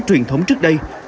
truyền thống trước đây